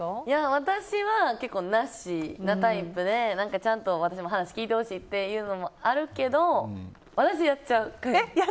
私は、結構なしなタイプでちゃんと私も話聞いてほしいっていうのもあるけど私、やっちゃう。